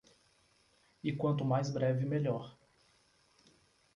E quanto mais breve melhor.